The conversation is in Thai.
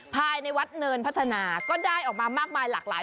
ภายในวัดเนินพัฒนาก็ได้ออกมามากมายหลากหลาย